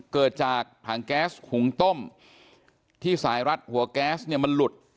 เกิดจากถังแก๊สหุงต้มที่สายรัดหัวแก๊สเนี่ยมันหลุด